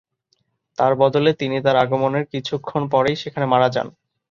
তার বদলে, তিনি তার আগমনের কিছুক্ষণ পরেই সেখানে মারা যান।